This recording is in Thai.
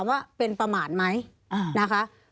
มีความรู้สึกว่ามีความรู้สึกว่า